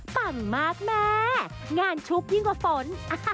ปังมากแม่งานชุกยิ่งกว่าฝน